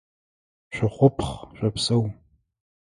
Шъухъупхъ, шъопсэу!